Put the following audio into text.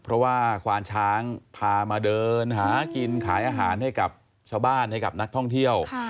เพราะว่าควานช้างพามาเดินหากินขายอาหารให้กับชาวบ้านให้กับนักท่องเที่ยว